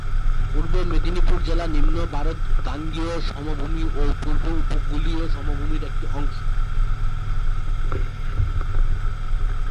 পূর্ব মেদিনীপুর জেলা নিম্ন ভারত-গাঙ্গেয় সমভূমি ও পূর্ব উপকূলীয় সমভূমির একটি অংশ।